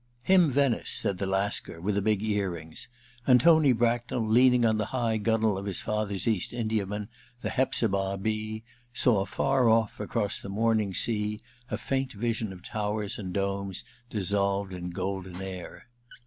I * Him Venice !' said the Lascar with the big ear rings ; and Tony Bracknell, leaning on the high gunwale of his father's East Indiaman, the Hepzibah B., saw far off, across the morning sea, a faint vision of towers and domes dissolved in golden air.